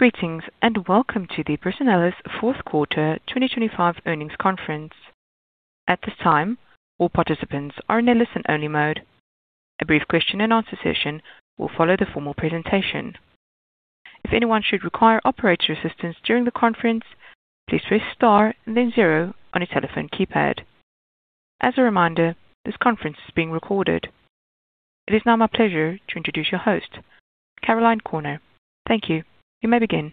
Greetings, welcome to the Personalis fourth quarter 2025 earnings conference. At this time, all participants are in a listen-only mode. A brief question-and-answer session will follow the formal presentation. If anyone should require operator assistance during the conference, please press star and then zero on your telephone keypad. As a reminder, this conference is being recorded. It is now my pleasure to introduce your host, Caroline Corner. Thank you. You may begin.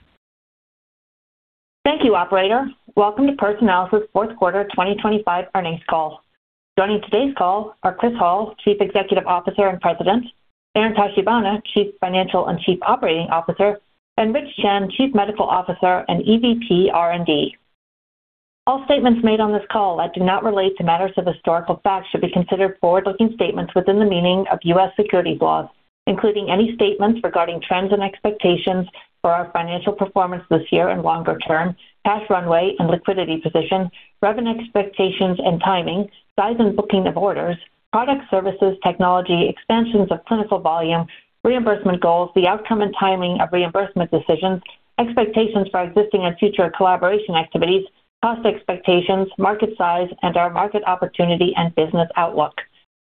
Thank you, operator. Welcome to Personalis' fourth quarter 2025 earnings call. Joining today's call are Chris Hall, Chief Executive Officer and President, Aaron Tachibana, Chief Financial and Chief Operating Officer, and Rich Chen, Chief Medical Officer and EVP R&D. All statements made on this call that do not relate to matters of historical fact should be considered forward-looking statements within the meaning of U.S. security laws, including any statements regarding trends and expectations for our financial performance this year and longer term, cash runway and liquidity position, revenue expectations and timing, size and booking of orders, product services, technology, expansions of clinical volume, reimbursement goals, the outcome and timing of reimbursement decisions, expectations for existing and future collaboration activities, cost expectations, market size, and our market opportunity and business outlook.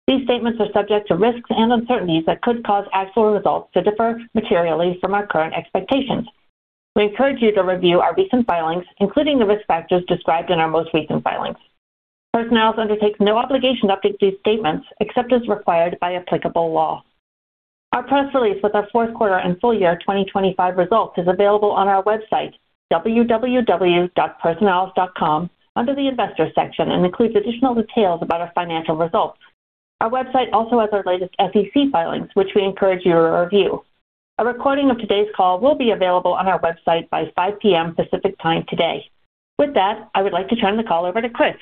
These statements are subject to risks and uncertainties that could cause actual results to differ materially from our current expectations. We encourage you to review our recent filings, including the risk factors described in our most recent filings. Personalis undertakes no obligation to update these statements except as required by applicable law. Our press release with our fourth quarter and full year 2025 results is available on our website, www.personalis.com, under the Investors section, and includes additional details about our financial results. Our website also has our latest SEC filings, which we encourage you to review. A recording of today's call will be available on our website by 5:00 P.M. Pacific Time today. With that, I would like to turn the call over to Chris.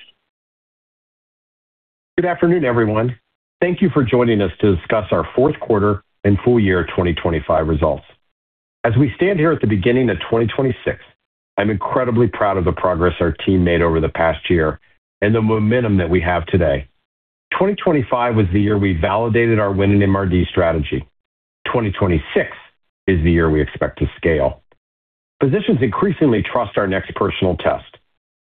Good afternoon, everyone. Thank you for joining us to discuss our fourth quarter and full year 2025 results. As we stand here at the beginning of 2026, I'm incredibly proud of the progress our team made over the past year and the momentum that we have today. 2025 was the year we validated our Win-in-MRD strategy. 2026 is the year we expect to scale. Physicians increasingly trust our NeXT Personal test.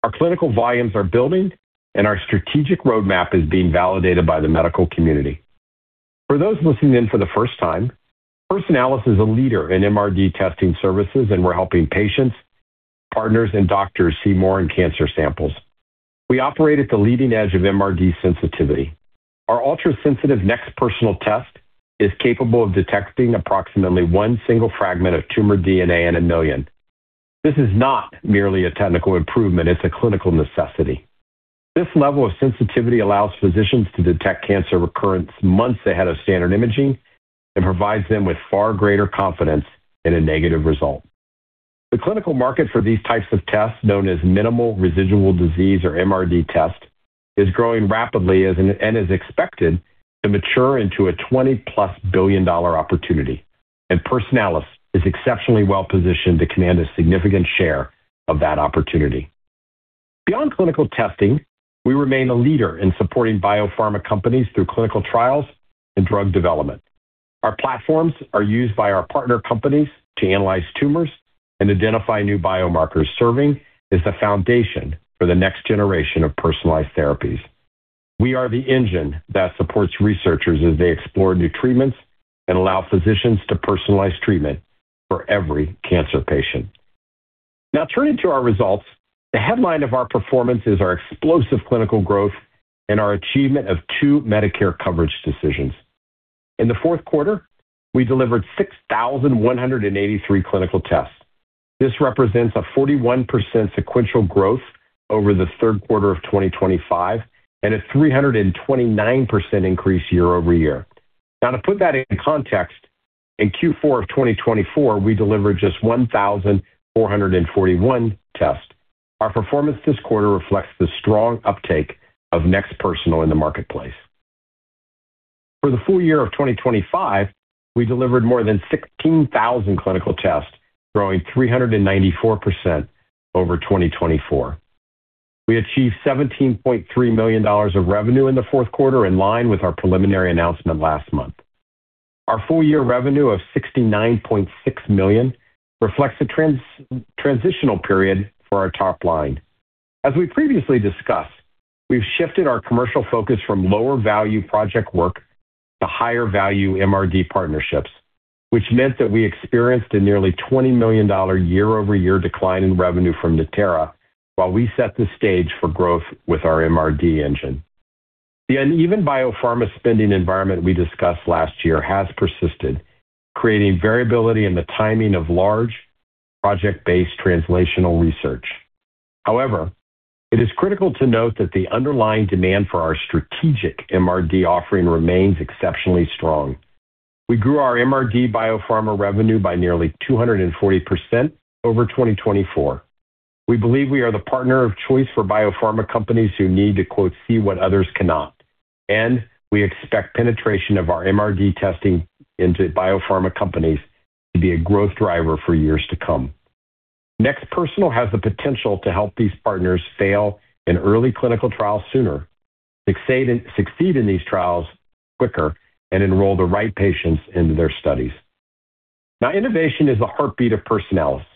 Our clinical volumes are building, and our strategic roadmap is being validated by the medical community. For those listening in for the first time, Personalis is a leader in MRD testing services, and we're helping patients, partners and doctors see more in cancer samples. We operate at the leading edge of MRD sensitivity. Our ultra-sensitive NeXT Personal test is capable of detecting approximately one single fragment of tumor DNA in a million. This is not merely a technical improvement, it's a clinical necessity. This level of sensitivity allows physicians to detect cancer recurrence months ahead of standard imaging and provides them with far greater confidence in a negative result. The clinical market for these types of tests, known as minimal residual disease or MRD test, is growing rapidly and is expected to mature into a $20+ billion opportunity, and Personalis is exceptionally well-positioned to command a significant share of that opportunity. Beyond clinical testing, we remain a leader in supporting biopharma companies through clinical trials and drug development. Our platforms are used by our partner companies to analyze tumors and identify new biomarkers, serving as the foundation for the next generation of personalized therapies. We are the engine that supports researchers as they explore new treatments and allow physicians to personalize treatment for every cancer patient. Now, turning to our results, the headline of our performance is our explosive clinical growth and our achievement of two Medicare coverage decisions. In the fourth quarter, we delivered 6,183 clinical tests. This represents a 41% sequential growth over the third quarter of 2025 and a 329% increase year-over-year. Now, to put that into context, in Q4 of 2024, we delivered just 1,441 tests. Our performance this quarter reflects the strong uptake of NeXT Personal in the marketplace. For the full year of 2025, we delivered more than 16,000 clinical tests, growing 394% over 2024. We achieved $17.3 million of revenue in the fourth quarter, in line with our preliminary announcement last month. Our full year revenue of $69.6 million reflects a transitional period for our top line. As we previously discussed, we've shifted our commercial focus from lower value project work to higher value MRD partnerships, which meant that we experienced a nearly $20 million year-over-year decline in revenue from Natera while we set the stage for growth with our MRD engine. The uneven biopharma spending environment we discussed last year has persisted, creating variability in the timing of large project-based translational research. However, it is critical to note that the underlying demand for our strategic MRD offering remains exceptionally strong. We grew our MRD biopharma revenue by nearly 240% over 2024. We believe we are the partner of choice for biopharma companies who need to, quote, "see what others cannot." We expect penetration of our MRD testing into biopharma companies to be a growth driver for years to come. NeXT Personal has the potential to help these partners fail in early clinical trials sooner, succeed in these trials quicker. Enroll the right patients into their studies. Innovation is the heartbeat of Personalis.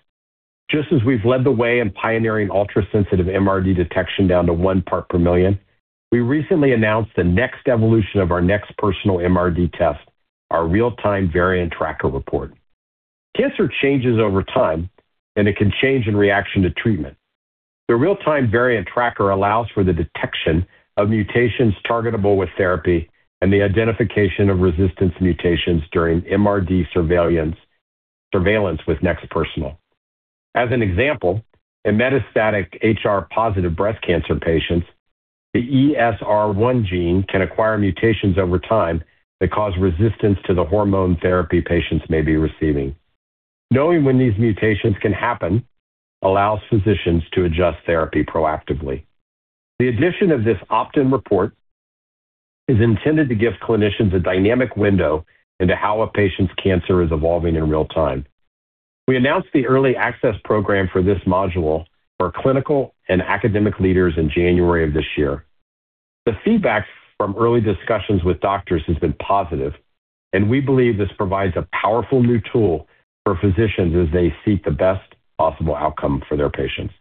Just as we've led the way in pioneering ultra-sensitive MRD detection down to one part per million, we recently announced the next evolution of our NeXT Personal MRD test, our Real-Time Variant Tracker report. Cancer changes over time. It can change in reaction to treatment. The Real-Time Variant Tracker allows for the detection of mutations targetable with therapy. The identification of resistance mutations during MRD surveillance with NeXT Personal. In metastatic HR-positive breast cancer patients, the ESR1 gene can acquire mutations over time that cause resistance to the hormone therapy patients may be receiving. Knowing when these mutations can happen allows physicians to adjust therapy proactively. The addition of this opt-in report is intended to give clinicians a dynamic window into how a patient's cancer is evolving in real time. We announced the early access program for this module for clinical and academic leaders in January of this year. The feedback from early discussions with doctors has been positive, we believe this provides a powerful new tool for physicians as they seek the best possible outcome for their patients.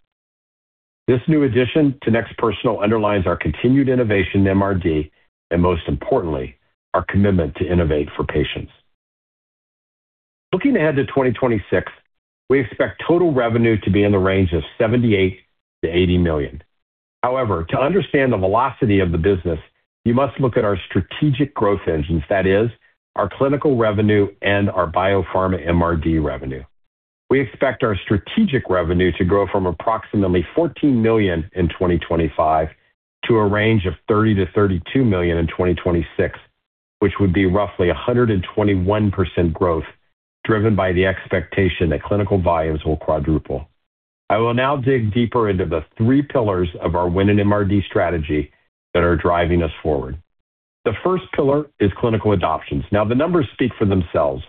This new addition to NeXT Personal underlines our continued innovation MRD, most importantly, our commitment to innovate for patients. Looking ahead to 2026, we expect total revenue to be in the range of $78 million-$80 million. To understand the velocity of the business, you must look at our strategic growth engines. That is, our clinical revenue and our biopharma MRD revenue. We expect our strategic revenue to grow from approximately $14 million in 2025 to a range of $30 million-$32 million in 2026, which would be roughly 121% growth, driven by the expectation that clinical volumes will quadruple. I will now dig deeper into the three pillars of our Win-in-MRD strategy that are driving us forward. The first pillar is clinical adoptions. The numbers speak for themselves.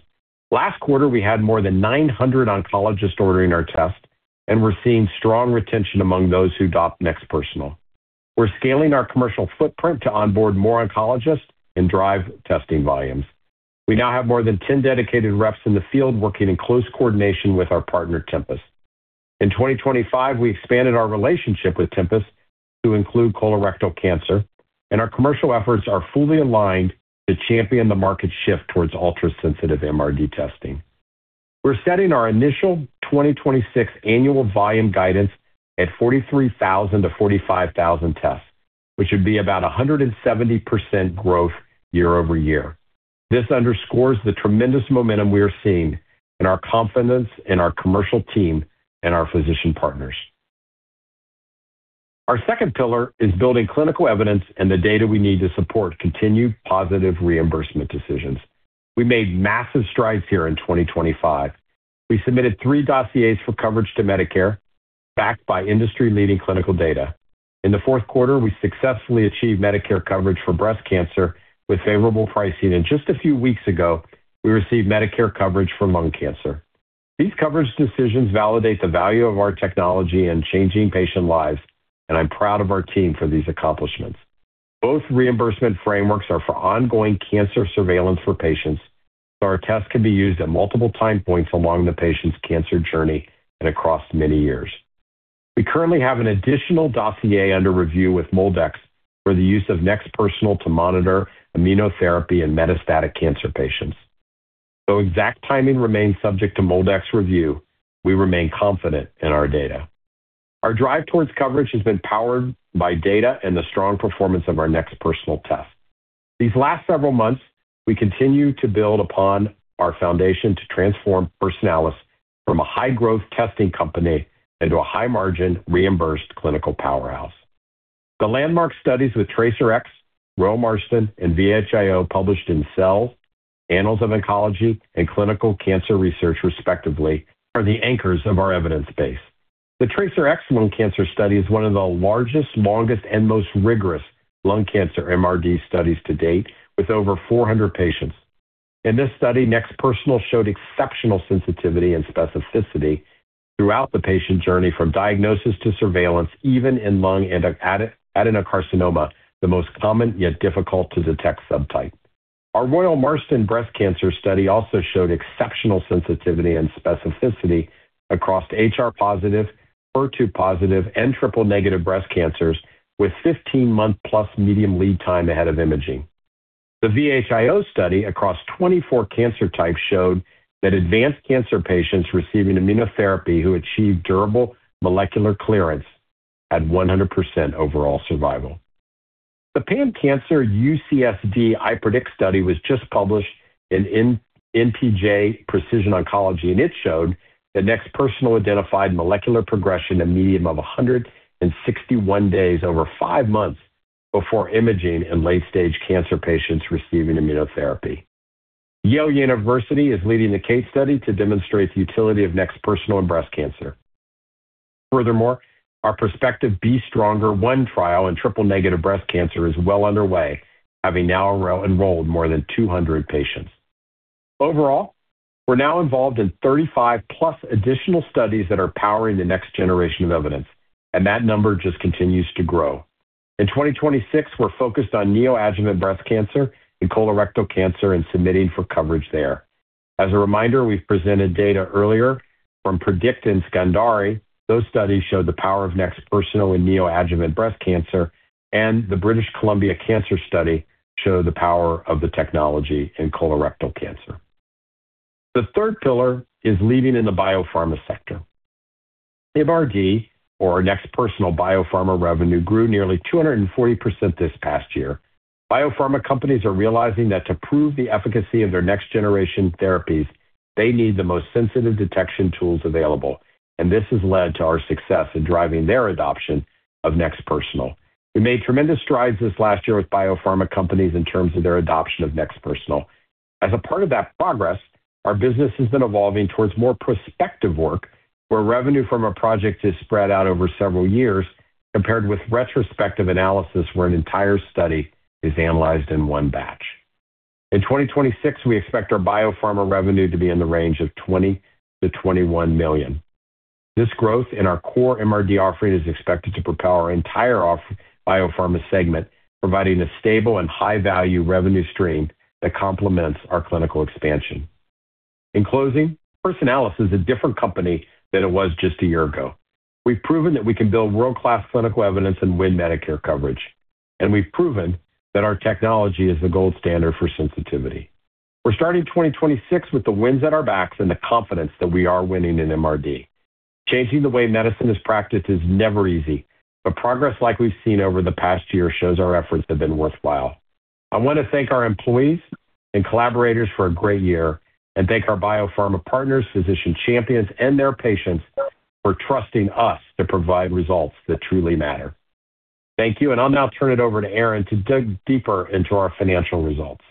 Last quarter, we had more than 900 oncologists ordering our test, and we're seeing strong retention among those who adopt NeXT Personal. We're scaling our commercial footprint to onboard more oncologists and drive testing volumes. We now have more than 10 dedicated reps in the field working in close coordination with our partner, Tempus. In 2025, we expanded our relationship with Tempus to include colorectal cancer, and our commercial efforts are fully aligned to champion the market shift towards ultrasensitive MRD testing. We're setting our initial 2026 annual volume guidance at 43,000-45,000 tests, which would be about 170% growth year-over-year. This underscores the tremendous momentum we are seeing and our confidence in our commercial team and our physician partners. Our second pillar is building clinical evidence and the data we need to support continued positive reimbursement decisions. We made massive strides here in 2025. We submitted three dossiers for coverage to Medicare, backed by industry-leading clinical data. In the fourth quarter, we successfully achieved Medicare coverage for breast cancer with favorable pricing. Just a few weeks ago, we received Medicare coverage for lung cancer. These coverage decisions validate the value of our technology in changing patient lives, and I'm proud of our team for these accomplishments. Both reimbursement frameworks are for ongoing cancer surveillance for patients, so our tests can be used at multiple time points along the patient's cancer journey and across many years. We currently have an additional dossier under review with MolDx for the use of NeXT Personal to monitor immunotherapy in metastatic cancer patients. Though exact timing remains subject to MolDx review, we remain confident in our data. Our drive towards coverage has been powered by data and the strong performance of our NeXT Personal test. These last several months, we continue to build upon our foundation to transform Personalis from a high-growth testing company into a high-margin reimbursed clinical powerhouse. The landmark studies with TRACERx, Royal Marsden, and VHIO, published in Cell, Annals of Oncology, and Clinical Cancer Research, respectively, are the anchors of our evidence base. The TRACERx lung cancer study is one of the largest, longest, and most rigorous lung cancer MRD studies to date, with over 400 patients. In this study, NeXT Personal showed exceptional sensitivity and specificity throughout the patient journey from diagnosis to surveillance, even in lung adenocarcinoma, the most common yet difficult to detect subtype. Our Royal Marsden breast cancer study also showed exceptional sensitivity and specificity across HR-positive, HER2-positive, and triple-negative breast cancers, with 15-month+ medium lead time ahead of imaging. The VHIO study across 24 cancer types showed that advanced cancer patients receiving immunotherapy who achieved durable molecular clearance had 100% overall survival. The PAM Cancer UCSD I-PREDICT study was just published in npj Precision Oncology, it showed that NeXT Personal identified molecular progression a medium of 161 days, over five months before imaging in late-stage cancer patients receiving immunotherapy. Yale University is leading a case study to demonstrate the utility of NeXT Personal in breast cancer. Furthermore, our prospective B-STRONGER-I trial in triple-negative breast cancer is well underway, having now enrolled more than 200 patients. Overall, we're now involved in 35+ additional studies that are powering the next generation of evidence, that number just continues to grow. In 2026, we're focused on neoadjuvant breast cancer and colorectal cancer submitting for coverage there. As a reminder, we've presented data earlier from PREDICT and SCANDARE. Those studies show the power of NeXT Personal in neoadjuvant breast cancer. The British Columbia Cancer Study showed the power of the technology in colorectal cancer. The third pillar is leading in the biopharma sector. MRD, or our NeXT Personal biopharma revenue, grew nearly 240% this past year. Biopharma companies are realizing that to prove the efficacy of their next-generation therapies, they need the most sensitive detection tools available, and this has led to our success in driving their adoption of NeXT Personal. We made tremendous strides this last year with biopharma companies in terms of their adoption of NeXT Personal. As a part of that progress, our business has been evolving towards more prospective work, where revenue from a project is spread out over several years, compared with retrospective analysis, where an entire study is analyzed in one batch. In 2026, we expect our biopharma revenue to be in the range of $20 million-$21 million. This growth in our core MRD offering is expected to propel our entire biopharma segment, providing a stable and high-value revenue stream that complements our clinical expansion. In closing, Personalis is a different company than it was just a year ago. We've proven that we can build world-class clinical evidence and win Medicare coverage. We've proven that our technology is the gold standard for sensitivity. We're starting 2026 with the winds at our backs and the confidence that we are winning in MRD. Changing the way medicine is practiced is never easy. Progress like we've seen over the past year shows our efforts have been worthwhile. I want to thank our employees and collaborators for a great year, thank our biopharma partners, physician champions, and their patients for trusting us to provide results that truly matter. Thank you. I'll now turn it over to Aaron to dig deeper into our financial results.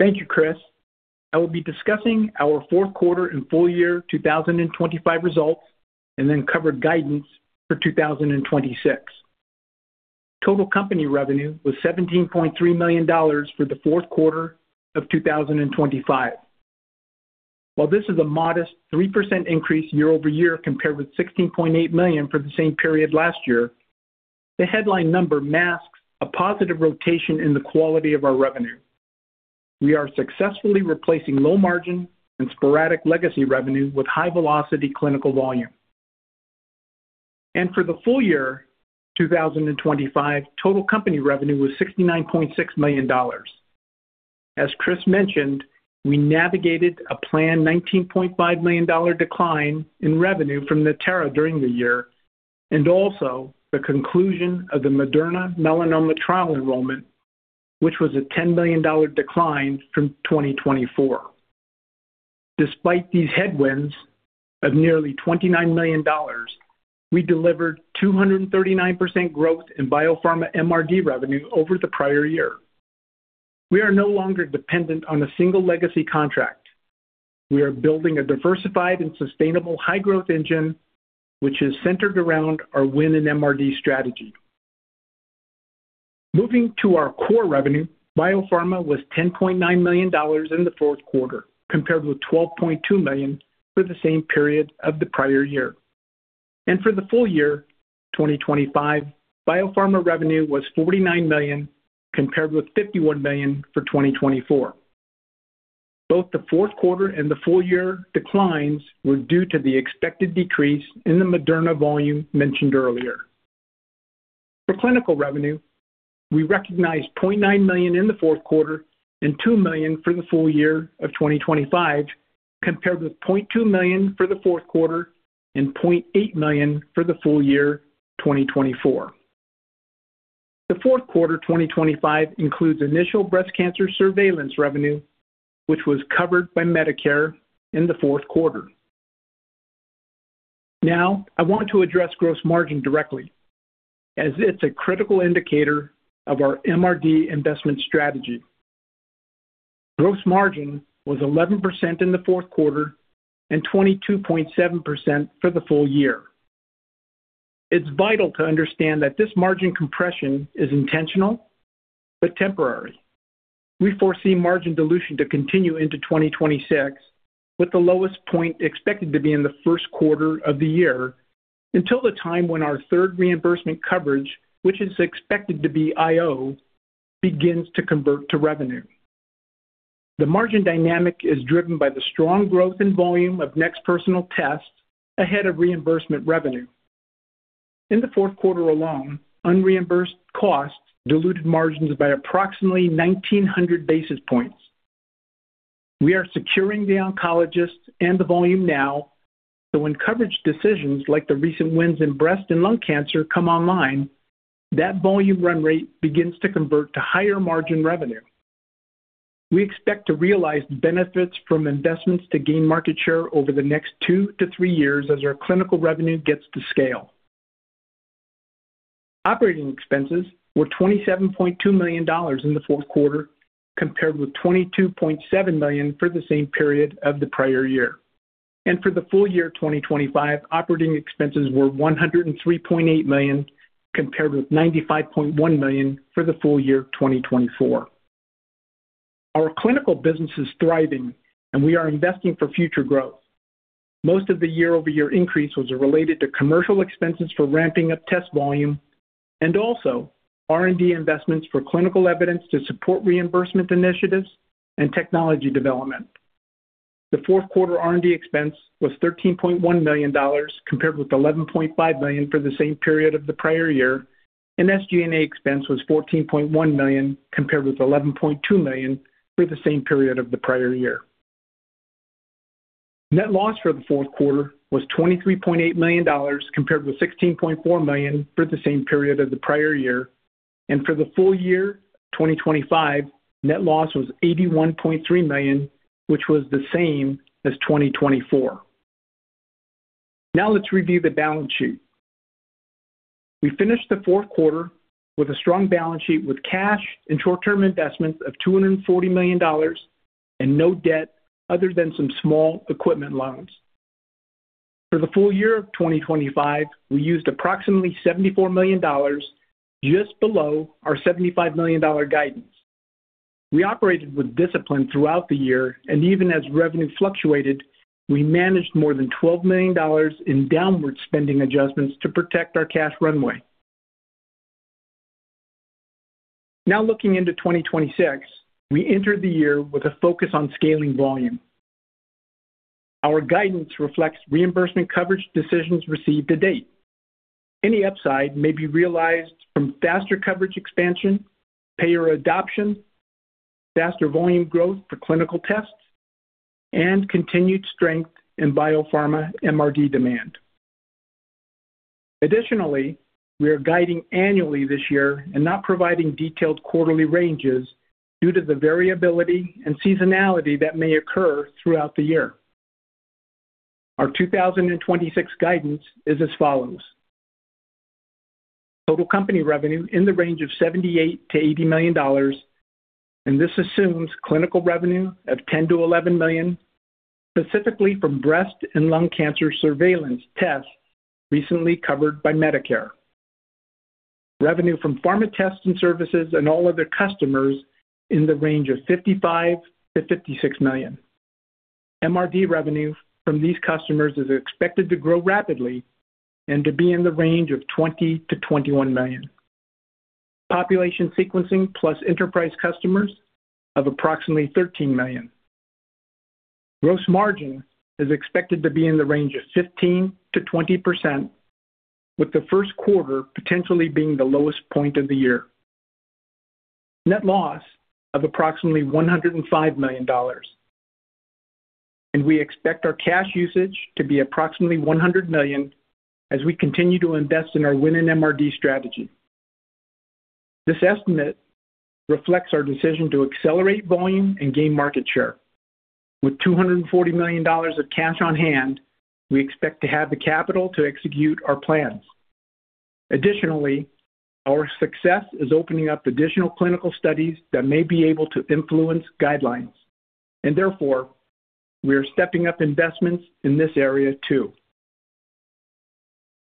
Thank you, Chris. I will be discussing our fourth quarter and full year 2025 results, then cover guidance for 2026. Total company revenue was $17.3 million for the fourth quarter of 2025. While this is a modest 3% increase year-over-year compared with $16.8 million for the same period last year, the headline number masks a positive rotation in the quality of our revenue. We are successfully replacing low margin and sporadic legacy revenue with high-velocity clinical volume. For the full year 2025, total company revenue was $69.6 million. As Chris mentioned, we navigated a planned $19.5 million decline in revenue from Natera during the year and also the conclusion of the Moderna melanoma trial enrollment, which was a $10 million decline from 2024. Despite these headwinds of nearly $29 million, we delivered 239% growth in biopharma MRD revenue over the prior year. We are no longer dependent on a single legacy contract. We are building a diversified and sustainable high-growth engine, which is centered around our Win-in-MRD strategy. Moving to our core revenue, biopharma was $10.9 million in the fourth quarter, compared with $12.2 million for the same period of the prior year. For the full year 2025, biopharma revenue was $49 million, compared with $51 million for 2024. Both the fourth quarter and the full-year declines were due to the expected decrease in the Moderna volume mentioned earlier. For clinical revenue, we recognized $0.9 million in the fourth quarter and $2 million for the full year of 2025, compared with $0.2 million for the fourth quarter and $0.8 million for the full year 2024. The fourth quarter 2025 includes initial breast cancer surveillance revenue, which was covered by Medicare in the fourth quarter. I want to address gross margin directly as it's a critical indicator of our MRD investment strategy. Gross margin was 11% in the fourth quarter and 22.7% for the full year. It's vital to understand that this margin compression is intentional but temporary. We foresee margin dilution to continue into 2026, with the lowest point expected to be in the first quarter of the year until the time when our third reimbursement coverage, which is expected to be IO, begins to convert to revenue. The margin dynamic is driven by the strong growth in volume of NeXT Personal tests ahead of reimbursement revenue. In the fourth quarter alone, unreimbursed costs diluted margins by approximately 1,900 basis points. We are securing the oncologists and the volume now, so when coverage decisions like the recent wins in breast and lung cancer come online, that volume run rate begins to convert to higher margin revenue. We expect to realize benefits from investments to gain market share over the next two to three years as our clinical revenue gets to scale. Operating expenses were $27.2 million in the fourth quarter, compared with $22.7 million for the same period of the prior year. For the full year 2025, operating expenses were $103.8 million, compared with $95.1 million for the full year 2024. Our clinical business is thriving and we are investing for future growth. Most of the year-over-year increase was related to commercial expenses for ramping up test volume and also R&D investments for clinical evidence to support reimbursement initiatives and technology development. The fourth quarter R&D expense was $13.1 million, compared with $11.5 million for the same period of the prior year, SG&A expense was $14.1 million compared with $11.2 million for the same period of the prior year. Net loss for the fourth quarter was $23.8 million, compared with $16.4 million for the same period of the prior year. For the full year 2025, net loss was $81.3 million, which was the same as 2024. Let's review the balance sheet. We finished the fourth quarter with a strong balance sheet with cash and short-term investments of $240 million and no debt other than some small equipment loans. For the full year of 2025, we used approximately $74 million, just below our $75 million guidance. We operated with discipline throughout the year and even as revenue fluctuated, we managed more than $12 million in downward spending adjustments to protect our cash runway. Now, looking into 2026, we enter the year with a focus on scaling volume. Our guidance reflects reimbursement coverage decisions received to date. Any upside may be realized from faster coverage expansion, payer adoption, faster volume growth for clinical tests, and continued strength in biopharma MRD demand. Additionally, we are guiding annually this year and not providing detailed quarterly ranges due to the variability and seasonality that may occur throughout the year. Our 2026 guidance is as follows: Total company revenue in the range of $78 million-$80 million. This assumes clinical revenue of $10 million-$11 million, specifically from breast and lung cancer surveillance tests recently covered by Medicare. Revenue from pharma tests and services and all other customers in the range of $55 million-$56 million. MRD revenue from these customers is expected to grow rapidly and to be in the range of $20 million-$21 million. Population sequencing plus enterprise customers of approximately $13 million. Gross margin is expected to be in the range of 15%-20%, with the first quarter potentially being the lowest point of the year. Net loss of approximately $105 million. We expect our cash usage to be approximately $100 million as we continue to invest in our Win-in-MRD strategy. This estimate reflects our decision to accelerate volume and gain market share. With $240 million of cash on hand, we expect to have the capital to execute our plans. Additionally, our success is opening up additional clinical studies that may be able to influence guidelines and therefore we are stepping up investments in this area too.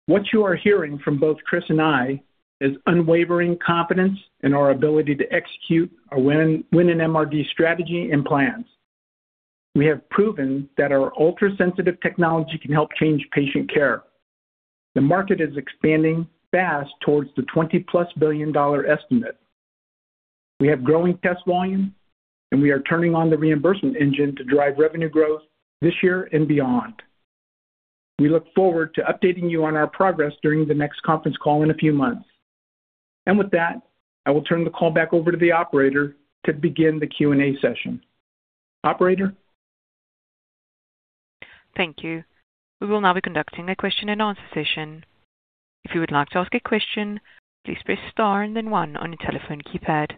What you are hearing from both Chris and I is unwavering confidence in our ability to execute our Win-in-MRD strategy and plans. We have proven that our ultra-sensitive technology can help change patient care. The market is expanding fast towards the $20+ billion estimate. We have growing test volume and we are turning on the reimbursement engine to drive revenue growth this year and beyond. We look forward to updating you on our progress during the next conference call in a few months. With that, I will turn the call back over to the operator to begin the Q&A session. Operator? Thank you. We will now be conducting a question and answer session. If you would like to ask a question, please press star and then one on your telephone keypad.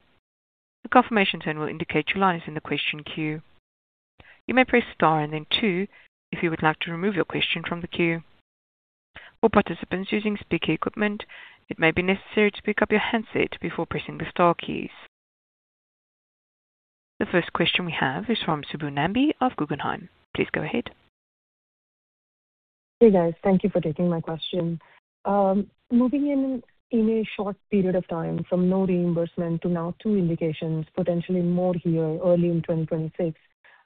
The confirmation tone will indicate your line is in the question queue. You may press star and then two if you would like to remove your question from the queue. For participants using speaker equipment, it may be necessary to pick up your handset before pressing the star keys. The first question we have is from Subbu Nambi of Guggenheim. Please go ahead. Hey, guys. Thank you for taking my question. Moving in a short period of time from no reimbursement to now two indications, potentially more here early in 2026,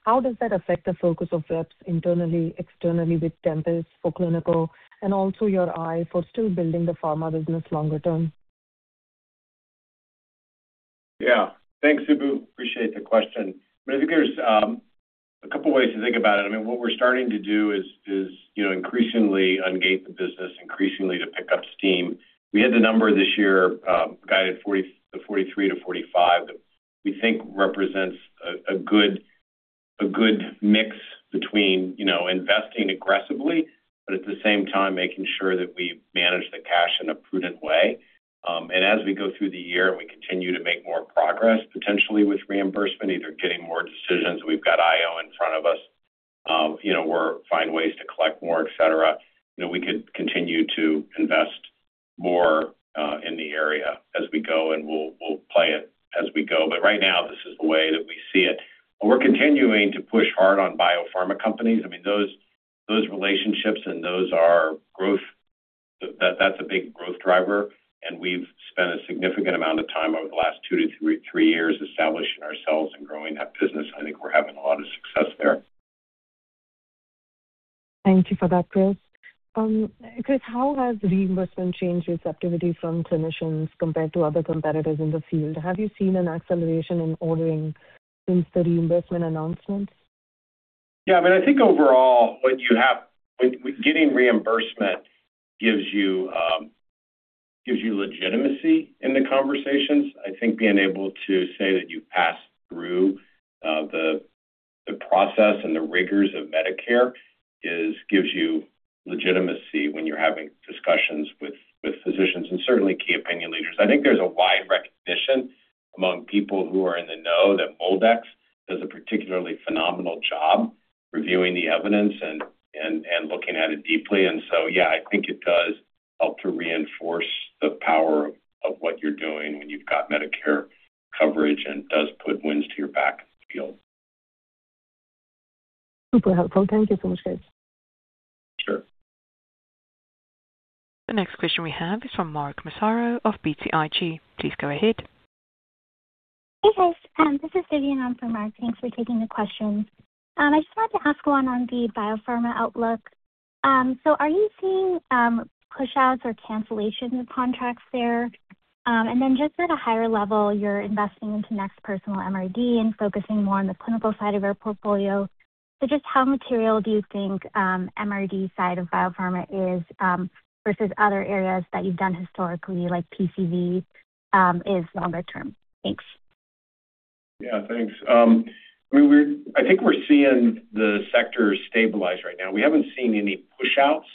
how does that affect the focus of reps internally, externally with Tempus for clinical and also your eye for still building the pharma business longer term? Thanks, Subbu. Appreciate the question. I think there's a couple of ways to think about it. I mean, what we're starting to do is, you know, increasingly ungate the business, increasingly to pick up steam. We had the number this year, guided $43 million-$45 million that we think represents a good mix between, you know, investing aggressively, but at the same time making sure that we manage the cash in a prudent way. As we go through the year and we continue to make more progress, potentially with reimbursement, either getting more decisions, we've got IO in front of us. You know, we're find ways to collect more, et cetera. You know, we could continue to invest more in the area as we go, and we'll play it as we go. Right now, this is the way that we see it. We're continuing to push hard on biopharma companies. I mean, those relationships and those are growth. That's a big growth driver, and we've spent a significant amount of time over the last two to three years establishing ourselves and growing that business. I think we're having a lot of success there. Thank you for that, Chris. Chris, how has reimbursement changed receptivity from clinicians compared to other competitors in the field? Have you seen an acceleration in ordering since the reimbursement announcement? I think overall, getting reimbursement gives you legitimacy in the conversations. I think being able to say that you passed through the process and the rigors of Medicare gives you legitimacy when you're having discussions with physicians and certainly key opinion leaders. I think there's a wide recognition among people who are in the know that MolDx does a particularly phenomenal job reviewing the evidence and looking at it deeply. I think it does help to reinforce the power of what you're doing when you've got Medicare coverage, and it does put winds to your back field. Super helpful. Thank you so much, Chris. Sure. The next question we have is from Mark Massaro of BTIG. Please go ahead. Hey, guys. This is Vidyun on for Mark. Thanks for taking the question. I just wanted to ask one on the biopharma outlook. Are you seeing pushouts or cancellation of contracts there? Just at a higher level, you're investing into NeXT Personal MRD and focusing more on the clinical side of our portfolio. Just how material do you think MRD side of biopharma is versus other areas that you've done historically, like PCV, is longer term? Thanks. Yeah, thanks. I mean, I think we're seeing the sector stabilize right now. We haven't seen any pushouts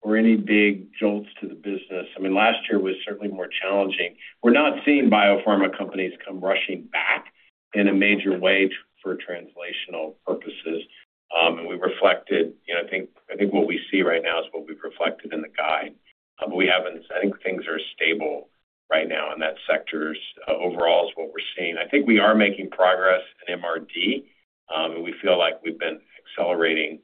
or any big jolts to the business. I mean, last year was certainly more challenging. We're not seeing biopharma companies come rushing back in a major way for translational purposes. We reflected. You know, I think what we see right now is what we've reflected in the guide. I think things are stable right now, and that sector's overall is what we're seeing. I think we are making progress in MRD. We feel like we've been accelerating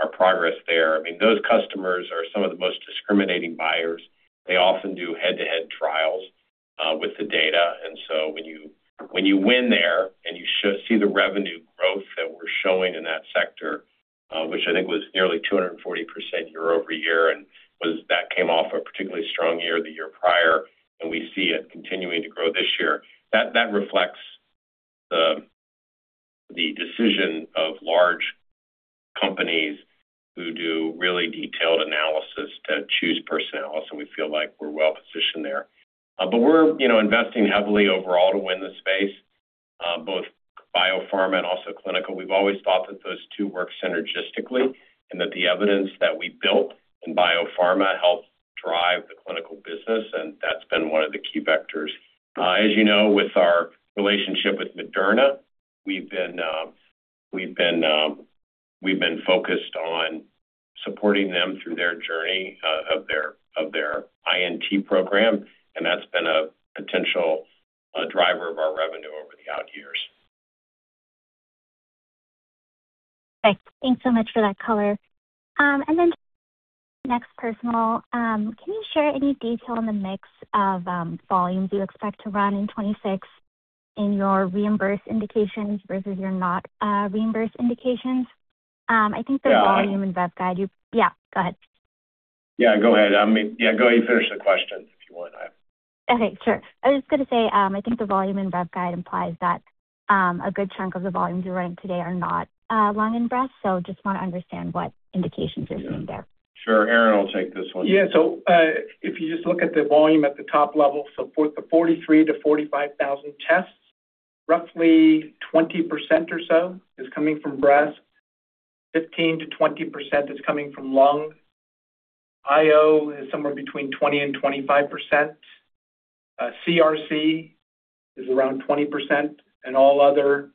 our progress there. I mean, those customers are some of the most discriminating buyers. They often do head-to-head trials with the data. When you, when you win there and you see the revenue growth that we're showing in that sector, which I think was nearly 240% year-over-year, that came off a particularly strong year, the year prior, and we see it continuing to grow this year, that reflects the decision of large companies who do really detailed analysis to choose Personalis, and we feel like we're well-positioned there. We're, you know, investing heavily overall to win the space, both biopharma and also clinical. We've always thought that those two work synergistically and that the evidence that we built in biopharma helps drive the clinical business, and that's been one of the key vectors. As you know, with our relationship with Moderna, we've been focused on supporting them through their journey of their INT program, and that's been a potential driver of our revenue over the out years. Okay. Thanks so much for that color. NeXT Personal, can you share any detail on the mix of volumes you expect to run in 2026 in your reimbursed indications versus your not reimbursed indications? Yeah. in rev guide you. Yeah, go ahead. Yeah, go ahead. I mean, yeah, go ahead and finish the question if you want. Okay, sure. I was just gonna say, I think the volume in rev guide implies that a good chunk of the volumes you're running today are not lung and breast. Just wanna understand what indications you're seeing there? Sure. Aaron will take this one. If you just look at the volume at the top level, the 43,000-45,000 tests, roughly 20% or so is coming from breast, 15%-20% is coming from lung. IO is somewhere between 20%-25%. CRC is around 20%, and all other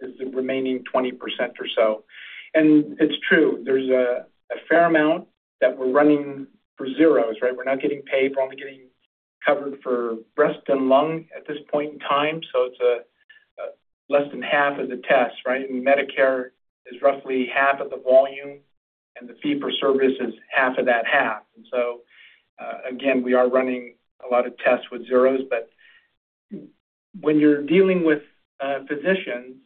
is the remaining 20% or so. It's true, there's a fair amount that we're running for zeros, right? We're not getting paid. We're only getting covered for breast and lung at this point in time. It's less than half of the tests, right? Medicare is roughly half of the volume, and the fee for service is half of that half. Again, we are running a lot of tests with zeros. When you're dealing with a physician,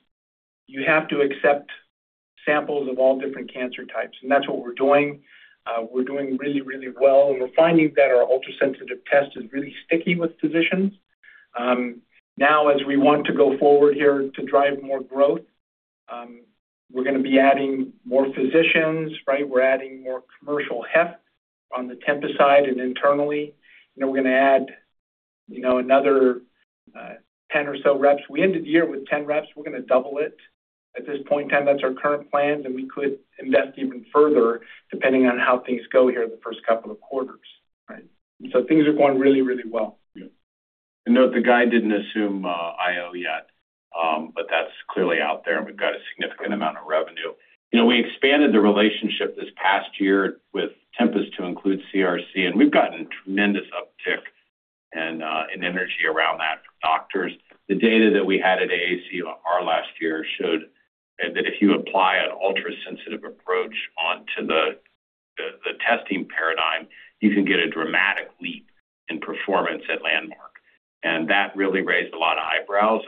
you have to accept samples of all different cancer types, and that's what we're doing. We're doing really, really well, and we're finding that our ultrasensitive test is really sticky with physicians. Now as we want to go forward here to drive more growth, we're gonna be adding more physicians, right? We're adding more commercial heft on the Tempus side and internally. You know, we're gonna add, you know, another, 10 or so reps. We ended the year with 10 reps. We're gonna double it at this point in time. That's our current plan, we could invest even further depending on how things go here the first couple of quarters, right? Things are going really, really well. Yeah. Note the guide didn't assume IO yet, but that's clearly out there, and we've got a significant amount of revenue. You know, we expanded the relationship this past year with Tempus to include CRC, and we've gotten tremendous uptick and energy around that from doctors. The data that we had at AACR last year showed that if you apply an ultrasensitive approach onto the testing paradigm, you can get a dramatic leap in performance at Landmark. That really raised a lot of eyebrows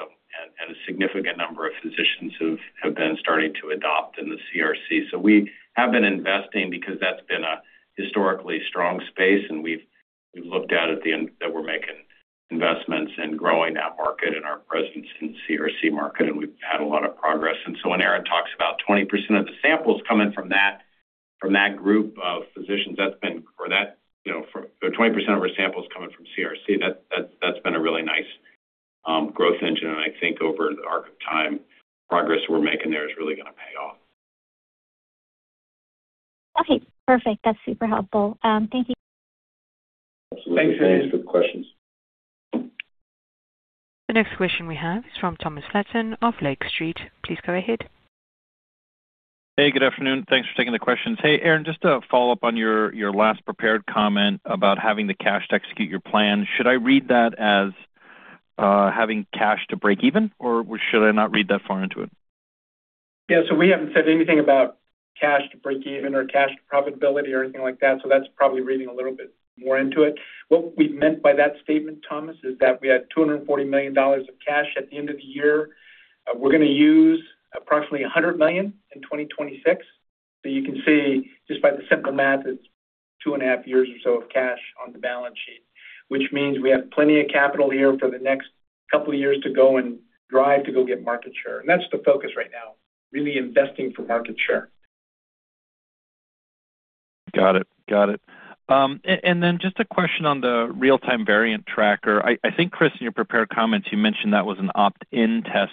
and a significant number of physicians who have been starting to adopt in the CRC. We have been investing because that's been a historically strong space, and we've looked out at the end that we're making investments in growing that market and our presence in CRC market, and we've had a lot of progress. When Aaron talks about 20% of the samples coming from that group of physicians, that's been. Or that, you know, 20% of our samples coming from CRC, that's been a really nice growth engine. I think over the arc of time, progress we're making there is really gonna pay off. Okay, perfect. That's super helpful. Thank you. Absolutely. Thanks. Thanks for the questions. The next question we have is from Thomas Flaten of Lake Street. Please go ahead. Hey, good afternoon. Thanks for taking the questions. Hey, Aaron, just to follow up on your last prepared comment about having the cash to execute your plan. Should I read that as having cash to break even, or should I not read that far into it? Yeah. We haven't said anything about cash to break even or cash to profitability or anything like that, so that's probably reading a little bit more into it. What we meant by that statement, Thomas, is that we had $240 million of cash at the end of the year. We're gonna use approximately $100 million in 2026. You can see just by the simple math, it's 2.5 years or so of cash on the balance sheet, which means we have plenty of capital here for the next couple of years to go and drive to go get market share. That's the focus right now, really investing for market share. Got it. Got it. Just a question on the Real-Time Variant Tracker. I think, Chris, in your prepared comments, you mentioned that was an opt-in test.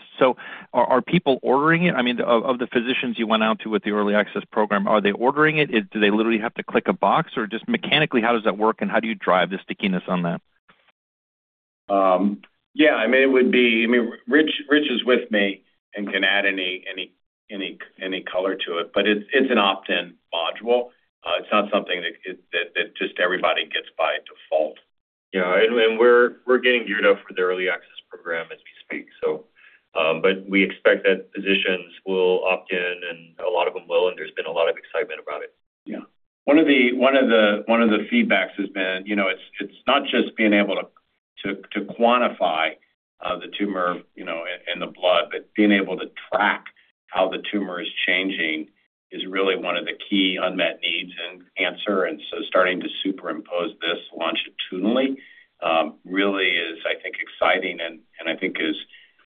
Are people ordering it? I mean, of the physicians you went out to with the early access program, are they ordering it? Do they literally have to click a box or just mechanically, how does that work and how do you drive the stickiness on that? Yeah, I mean, Rich is with me and can add any color to it, but it's an opt-in module. It's not something that just everybody gets by default. Yeah. We're getting geared up for the early access program as we speak, so, but we expect that physicians will opt in, and a lot of them will, and there's been a lot of excitement about it. Yeah. One of the feedbacks has been, you know, it's not just being able to quantify the tumor, you know, in the blood, but being able to track how the tumor is changing is really one of the key unmet needs in cancer. Starting to superimpose this longitudinally, really is, I think, exciting and I think is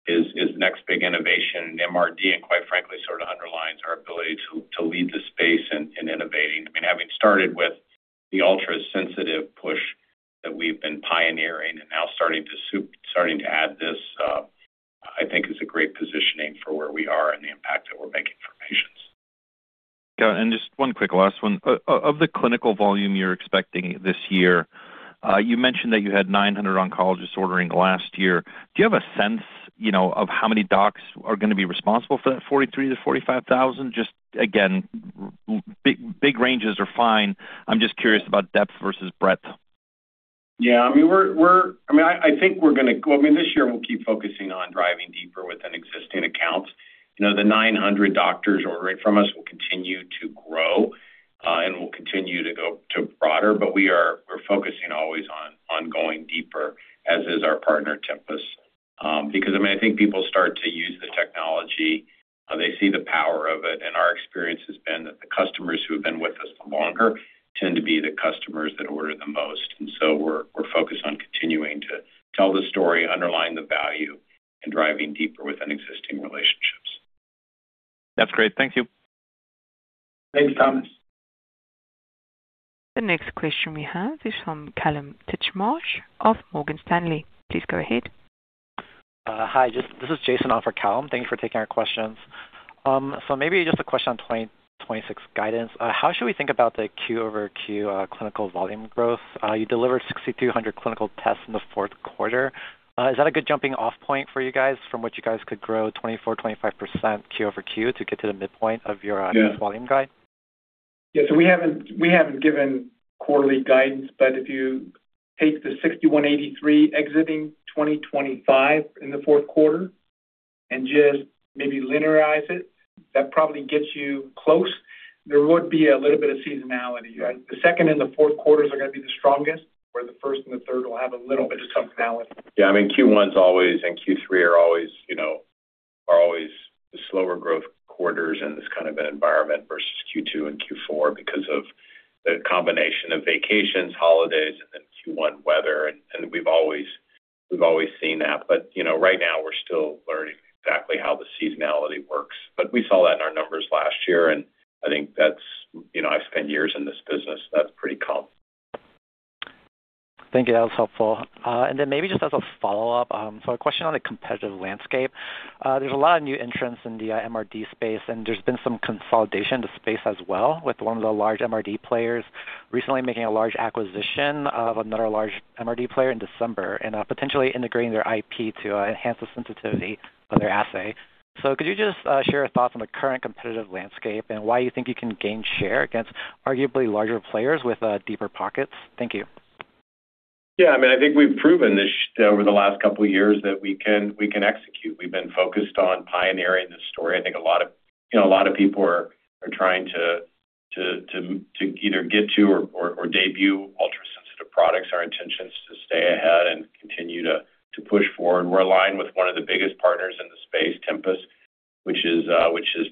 the next big innovation in MRD and quite frankly, sort of underlines our ability to lead the space in innovating. I mean, having started with the ultrasensitive push that we've been pioneering and now starting to add this, I think is a great positioning for where we are and the impact that we're making for patients. Yeah. Just one quick last one. Of the clinical volume you're expecting this year, you mentioned that you had 900 oncologists ordering last year. Do you have a sense, you know, of how many docs are gonna be responsible for that 43,000-45,000? Just again, big ranges are fine. I'm just curious about depth versus breadth. Yeah. I mean, I think we're gonna. Well, I mean, this year we'll keep focusing on driving deeper within existing accounts. You know, the 900 doctors ordering from us will continue to grow, and will continue to go to broader. We're focusing always on going deeper, as is our partner, Tempus. Because I mean, I think people start to use the technology, they see the power of it, our experience has been that the customers who have been with us the longer tend to be the customers that order the most. We're focused on continuing to tell the story, underline the value, and driving deeper within existing relationships. That's great. Thank you. Thanks, Thomas. The next question we have is from Kallum Titchmarsh of Morgan Stanley. Please go ahead. Hi. This is Jason on for Kallum. Thank you for taking our questions. Maybe just a question on 2026 guidance. How should we think about the QoQ clinical volume growth? You delivered 6,200 clinical tests in the fourth quarter. Is that a good jumping off point for you guys from which you guys could grow 24%, 25% QoQ to get to the midpoint of your- Yeah. volume guide? Yeah. We haven't given quarterly guidance, but if you take the $6,183 exiting 2025 in the fourth quarter and just maybe linearize it, that probably gets you close. There would be a little bit of seasonality. Right. The second and the fourth quarters are gonna be the strongest, where the first and the third will have a little bit of seasonality. Yeah. I mean, Q1's always and Q3 are always, you know, the slower growth quarters in this kind of an environment versus Q2 and Q4 because of the combination of vacations, holidays, and then Q1 weather and we've always seen that. You know, right now we're still learning exactly how the seasonality works. We saw that in our numbers last year, and I think that's, you know, I've spent years in this business, that's pretty common. Thank you. That was helpful. Maybe just as a follow-up, a question on the competitive landscape. There's a lot of new entrants in the MRD space, and there's been some consolidation to space as well, with one of the large MRD players recently making a large acquisition of another large MRD player in December and potentially integrating their IP to enhance the sensitivity of their assay. Could you just share your thoughts on the current competitive landscape and why you think you can gain share against arguably larger players with deeper pockets? Thank you. Yeah, I mean, I think we've proven this over the last couple of years that we can execute. We've been focused on pioneering this story. I think a lot of, you know, a lot of people are trying to either get to or debut ultrasensitive products. Our intention is to stay ahead and continue to push forward. We're aligned with one of the biggest partners in the space, Tempus, which is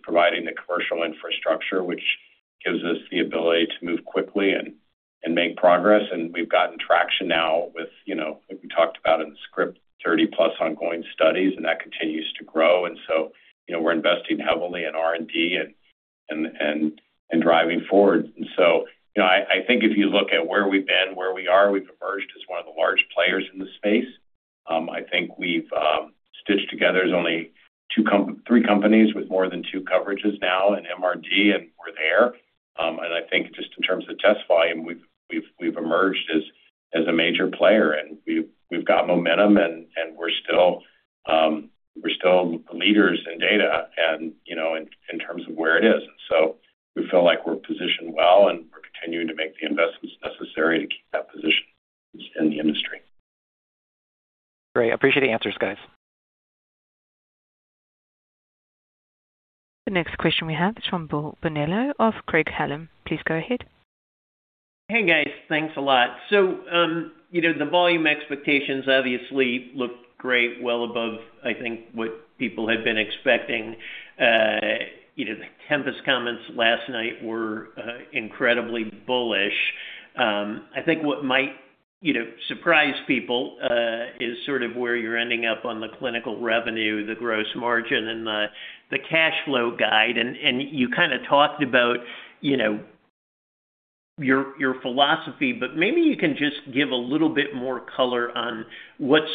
providing the commercial infrastructure, which gives us the ability to move quickly and make progress. We've gotten traction now with, you know, like we talked about in the script, 30+ ongoing studies, and that continues to grow. You know, we're investing heavily in R&D and driving forward. You know, I think if you look at where we've been, where we are, we've emerged as one of the large players in the space. I think we've stitched together. There's only three companies with more than two coverages now in MRD, and we're there. I think just in terms of test volume, we've emerged as a major player, and we've got momentum, and we're still leaders in data and, you know, in terms of where it is. We feel like we're positioned well, and we're continuing to make the investments necessary to keep that position in the industry. Great. Appreciate the answers, guys. The next question we have is from Bill Bonello of Craig-Hallum. Please go ahead. Hey, guys. Thanks a lot. You know, the volume expectations obviously look great, well above, I think, what people had been expecting. You know, the Tempus comments last night were incredibly bullish. I think what might, you know, surprise people is sort of where you're ending up on the clinical revenue, the gross margin, and the cash flow guide. You kind of talked about, you know, your philosophy, but maybe you can just give a little bit more color on what's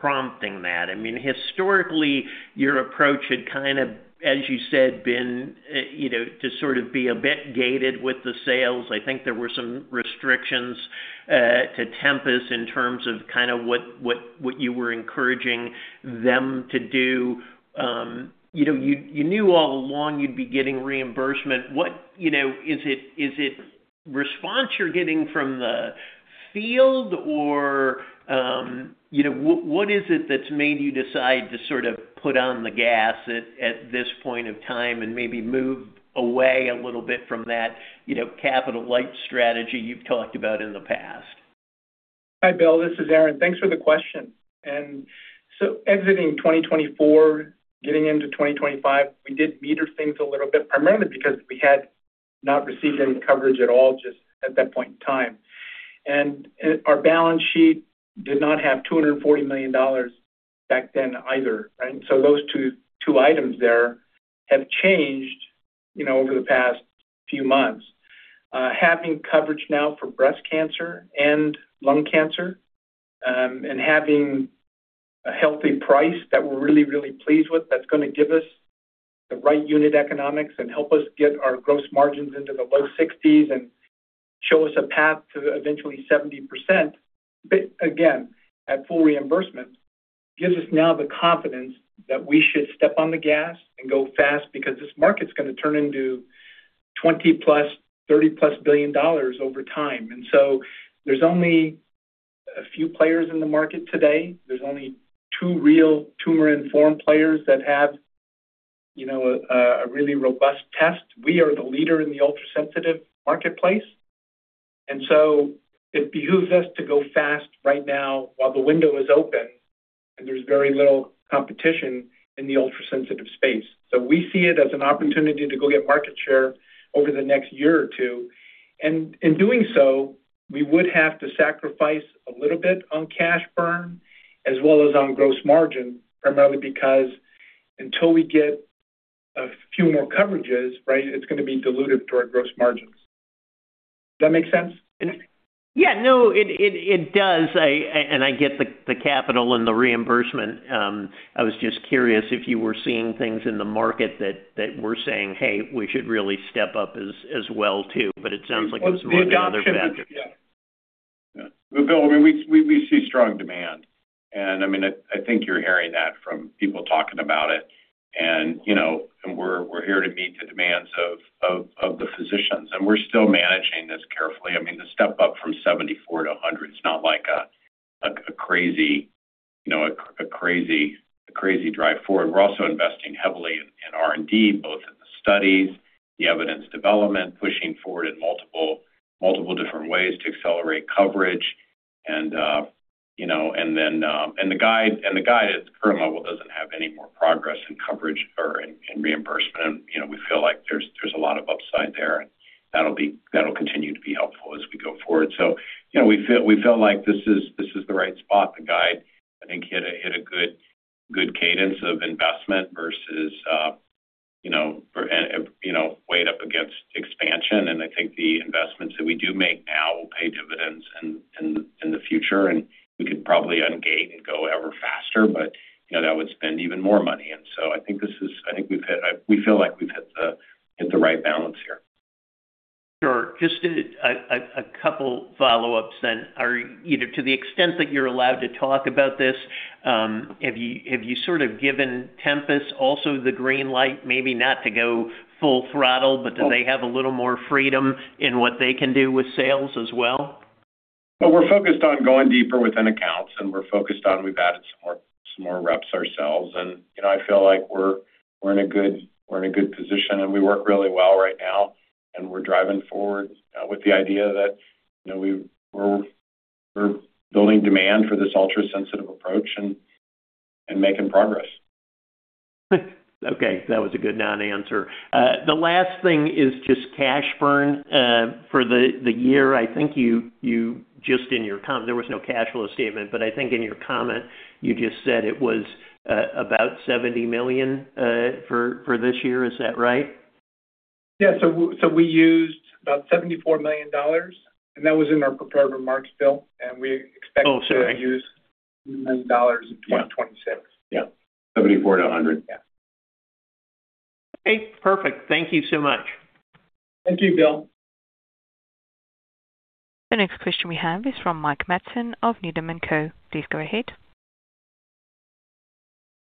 prompting that. I mean, historically, your approach had kind of, as you said, been, you know, to sort of be a bit gated with the sales. I think there were some restrictions to Tempus in terms of kind of what you were encouraging them to do. You know, you knew all along you'd be getting reimbursement. You know, is it response you're getting from the field or, you know, what is it that's made you decide to sort of put on the gas at this point of time and maybe move away a little bit from that, you know, capital light strategy you've talked about in the past? Hi, Bill. This is Aaron. Thanks for the question. Exiting 2024, getting into 2025, we did meter things a little bit, primarily because we had not received any coverage at all just at that point in time. Our balance sheet did not have $240 million back then either, right? Those two items there have changed, you know, over the past few months. Having coverage now for breast cancer and lung cancer, having a healthy price that we're really, really pleased with, that's gonna give us the right unit economics and help us get our gross margins into the low 60s and show us a path to eventually 70%, but again, at full reimbursement, gives us now the confidence that we should step on the gas and go fast because this market's gonna turn into $20+ billion, $30+ billion over time. There's only a few players in the market today. There's only two real tumor-informed players that have, you know, a really robust test. We are the leader in the ultrasensitive marketplace, it behooves us to go fast right now while the window is open, and there's very little competition in the ultrasensitive space. We see it as an opportunity to go get market share over the next year or two. In doing so, we would have to sacrifice a little bit on cash burn as well as on gross margin, primarily because until we get a few more coverages, right, it's gonna be dilutive to our gross margins. Does that make sense? Yeah. No, it does. I get the capital and the reimbursement. I was just curious if you were seeing things in the market that were saying, "Hey, we should really step up as well too." It sounds like it's more the other factor. The adoption, yeah. Yeah. Well, Bill, I mean, we see strong demand, I mean, I think you're hearing that from people talking about it. You know, and we're here to meet the demands of the physicians, and we're still managing this carefully. I mean, the step up from 74 to 100, it's not like a crazy, you know, a crazy drive forward. We're also investing heavily in R&D, both in the studies, the evidence development, pushing forward in multiple different ways to accelerate coverage. You know, and then, and the guide at its current level doesn't have any more progress in coverage or in reimbursement. You know, we feel like there's a lot of upside there, and that'll continue to be helpful as we go forward. You know, we feel like this is the right spot. The guide, I think, hit a good cadence of investment versus, You know, or, and, you know, weighed up against expansion. I think the investments that we do make now will pay dividends in the future, and we could probably ungate and go ever faster, but, you know, that would spend even more money. We feel like we've hit the right balance here. Sure. Just a couple follow-ups then. You know, to the extent that you're allowed to talk about this, have you sort of given Tempus also the green light, maybe not to go full throttle, but do they have a little more freedom in what they can do with sales as well? Well, we're focused on going deeper within accounts, and we're focused on we've added some more reps ourselves. You know, I feel like we're in a good position, and we work really well right now, and we're driving forward with the idea that, you know, we're building demand for this ultra-sensitive approach and making progress. Okay. That was a good non-answer. The last thing is just cash burn for the year. I think you just in your comment. There was no cash flow statement, but I think in your comment, you just said it was about $70 million for this year. Is that right? Yeah. We used about $74 million, and that was in our prepared remarks, Bill, and we expect. Oh, sorry. to use million dollars in 2026. Yeah. 74 to 100. Yeah. Okay. Perfect. Thank you so much. Thank you, Bill. The next question we have is from Mike Matson of Needham & Company. Please go ahead.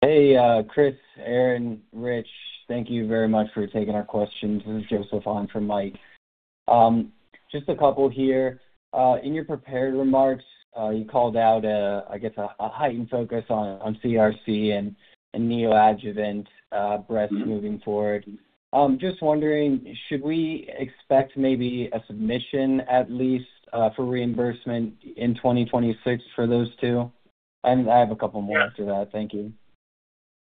Hey, Chris, Aaron, Rich. Thank you very much for taking our questions. This is Joseph on for Mike. Just a couple here. In your prepared remarks, you called out, I guess a heightened focus on CRC and neoadjuvant breast moving forward. Just wondering, should we expect maybe a submission at least for reimbursement in 2026 for those two? I have a couple more after that. Thank you.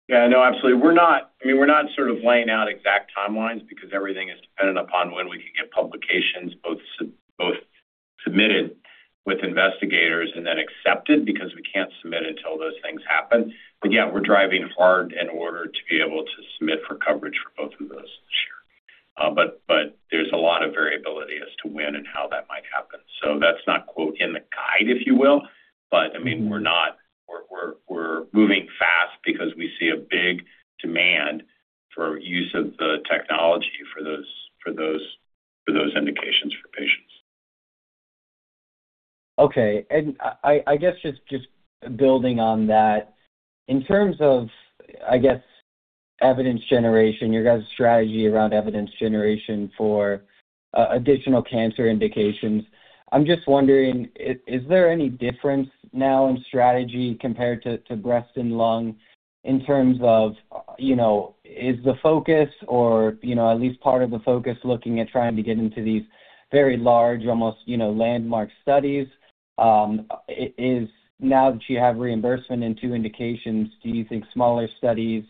No, absolutely. I mean, we're not sort of laying out exact timelines because everything is dependent upon when we can get publications both submitted with investigators and then accepted because we can't submit until those things happen. We're driving hard in order to be able to submit for coverage for both of those this year. There's a lot of variability as to when and how that might happen. That's not, quote, in the guide, if you will. I mean, we're moving fast because we see a big demand for use of the technology for those indications for patients. Okay. I guess just building on that, in terms of, I guess, evidence generation, you guys' strategy around evidence generation for additional cancer indications, I'm just wondering is there any difference now in strategy compared to breast and lung in terms of, you know, is the focus or, you know, at least part of the focus looking at trying to get into these very large, almost, you know, landmark studies? Is now that you have reimbursement in two indications, do you think smaller studies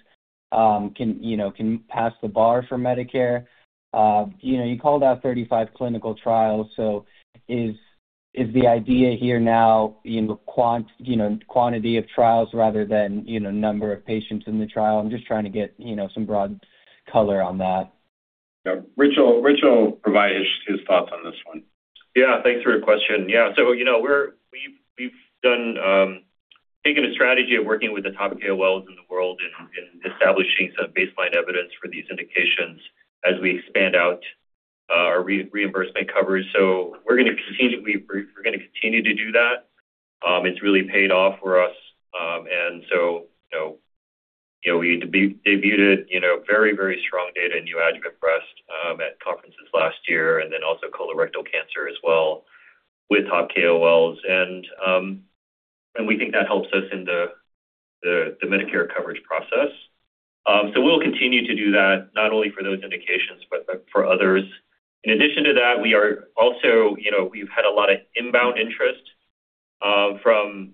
can, you know, can pass the bar for Medicare? You know, you called out 35 clinical trials, is the idea here now in the quant, you know, quantity of trials rather than, you know, number of patients in the trial? I'm just trying to get, you know, some broad color on that. Yeah. Rich will provide his thoughts on this one. Yeah. Thanks for your question. Yeah. You know, we've done taken a strategy of working with the top KOLs in the world in establishing some baseline evidence for these indications as we expand out our reimbursement coverage. We're gonna continue to do that. It's really paid off for us. You know, you know, we debuted, you know, very, very strong data in neoadjuvant breast at conferences last year and then also colorectal cancer as well with top KOLs. We think that helps us in the Medicare coverage process. We'll continue to do that not only for those indications, but for others. In addition to that, we are also, you know, we've had a lot of inbound interest, from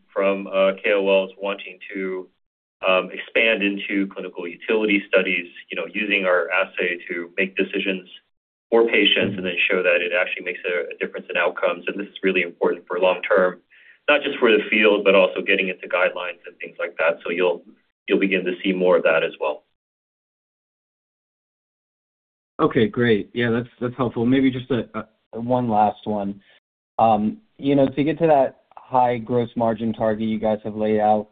KOLs wanting to expand into clinical utility studies, you know, using our assay to make decisions for patients and then show that it actually makes a difference in outcomes. This is really important for long term, not just for the field, but also getting into guidelines and things like that. You'll begin to see more of that as well. Okay, great. Yeah, that's helpful. Maybe just a one last one. You know, to get to that high gross margin target you guys have laid out,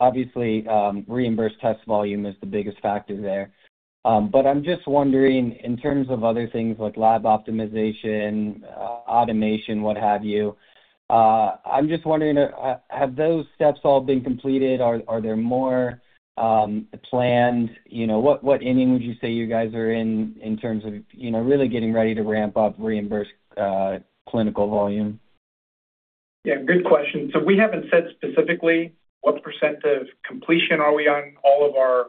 obviously, reimbursed test volume is the biggest factor there. But I'm just wondering in terms of other things like lab optimization, automation, what have you, I'm just wondering, have those steps all been completed? Are there more planned? You know, what inning would you say you guys are in terms of, you know, really getting ready to ramp up reimbursed, clinical volume? Yeah, good question. We haven't said specifically what % of completion are we on all of our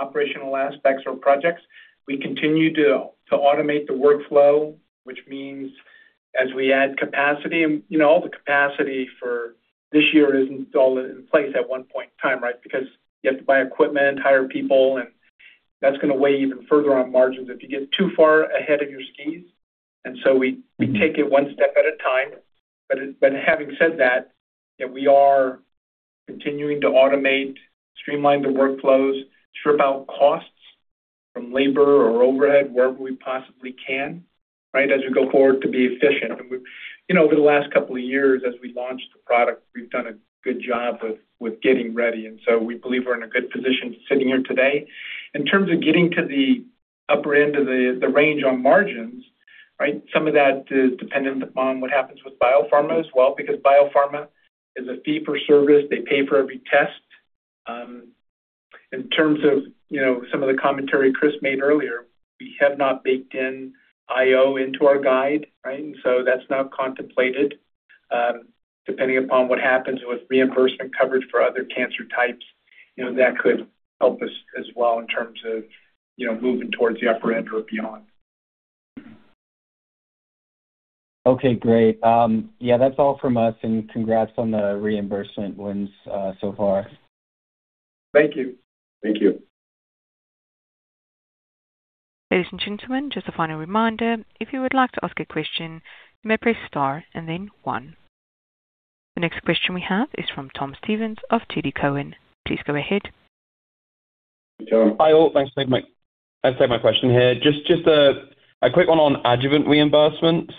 operational aspects or projects. We continue to automate the workflow, which means as we add capacity. You know, all the capacity for this year isn't all in place at one point in time, right? Because you have to buy equipment, hire people, and that's gonna weigh even further on margins if you get too far ahead of your skis. We take it one step at a time. Having said that, you know, we are continuing to automate, streamline the workflows, strip out costs from labor or overhead wherever we possibly can, right, as we go forward to be efficient. You know, over the last couple of years as we launched the product, we've done a good job with getting ready, and so we believe we're in a good position sitting here today. In terms of getting to the upper end of the range on margins, right? Some of that is dependent upon what happens with biopharma as well, because biopharma is a fee for service. They pay for every test. In terms of, you know, some of the commentary Chris made earlier, we have not baked in IO into our guide, right? That's not contemplated. Depending upon what happens with reimbursement coverage for other cancer types, you know, that could help us as well in terms of, you know, moving towards the upper end or beyond. Okay, great. Yeah, that's all from us, and congrats on the reimbursement wins so far. Thank you. Thank you. Ladies and gentlemen, just a final reminder, if you would like to ask a question, you may press star and then one. The next question we have is from Tom Stevens of TD Cowen. Please go ahead. Tom. Hi, all. Thanks. I've set my question here. Just a quick one on adjuvant reimbursement.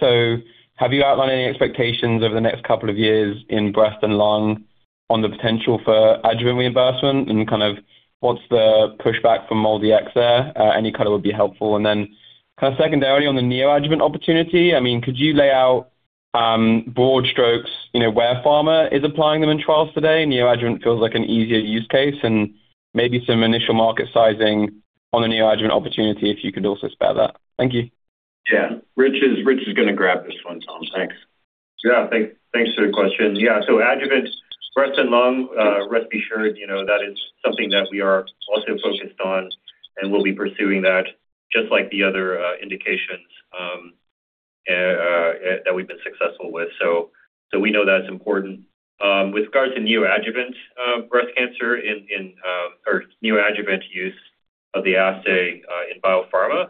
Have you outlined any expectations over the next couple of years in breast and lung on the potential for adjuvant reimbursement and kind of what's the pushback from MolDx there? Any color would be helpful. Kind of secondarily on the neoadjuvant opportunity, I mean, could you lay out broad strokes, you know, where pharma is applying them in trials today? Neoadjuvant feels like an easier use case and maybe some initial market sizing on the neoadjuvant opportunity, if you could also spare that. Thank you. Yeah. Rich is gonna grab this one, Tom. Thanks. Thanks for the question. So Adjuvant breast and lung, rest be assured, you know, that is something that we are also focused on, and we'll be pursuing that just like the other indications that we've been successful with. We know that's important. With regards to neoadjuvant breast cancer in or neoadjuvant use of the assay in biopharma.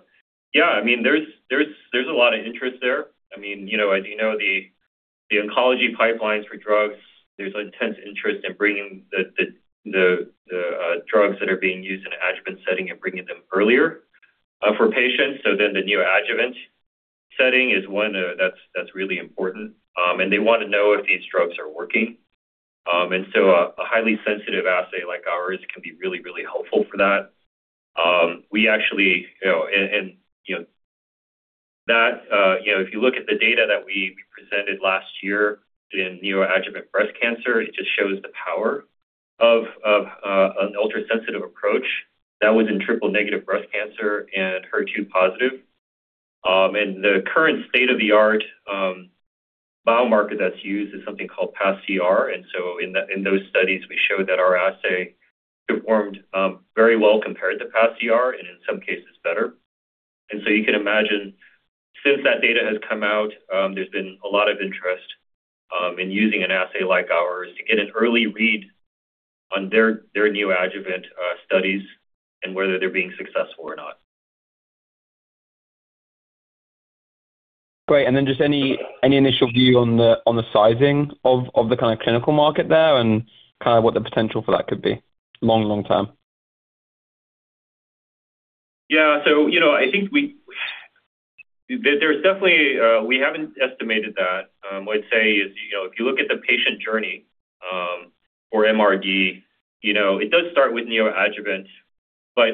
I mean, there's a lot of interest there. I mean, you know, as you know, the oncology pipelines for drugs, there's intense interest in bringing the drugs that are being used in an adjuvant setting and bringing them earlier for patients. The neoadjuvant setting is one that's really important. They want to know if these drugs are working. A highly sensitive assay like ours can be really, really helpful for that. We actually, you know, and you know that, you know, if you look at the data that we presented last year in neoadjuvant breast cancer, it just shows the power of an ultrasensitive approach that was in triple-negative breast cancer and HER2-positive. The current state-of-the-art biomarker that's used is something called pCR. In those studies, we showed that our assay performed very well compared to pCR and in some cases better. You can imagine since that data has come out, there's been a lot of interest in using an assay like ours to get an early read on their neoadjuvant studies and whether they're being successful or not. Great. Just any initial view on the sizing of the kind of clinical market there and kind of what the potential for that could be long term? Yeah. You know, I think There's definitely we haven't estimated that. What I'd say is, you know, if you look at the patient journey, for MRD, you know, it does start with neoadjuvant,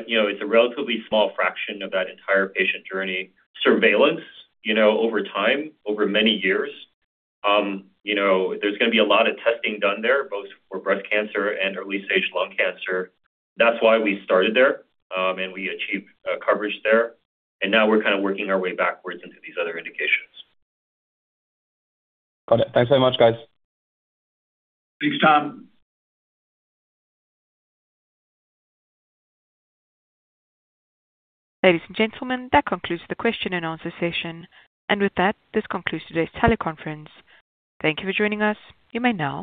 you know, it's a relatively small fraction of that entire patient journey. Surveillance, you know, over time, over many years, you know, there's gonna be a lot of testing done there, both for breast cancer and early-stage lung cancer. That's why we started there, we achieved coverage there, now we're kind of working our way backwards into these other indications. Got it. Thanks so much, guys. Thanks, Tom. Ladies and gentlemen, that concludes the question and answer session. With that, this concludes today's teleconference. Thank you for joining us. You may now disconnect.